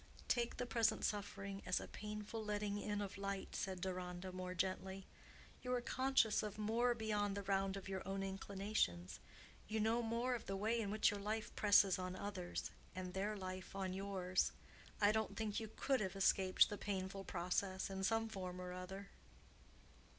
"Take the present suffering as a painful letting in of light," said Deronda, more gently. "You are conscious of more beyond the round of your own inclinations—you know more of the way in which your life presses on others, and their life on yours. I don't think you could have escaped the painful process in some form or other."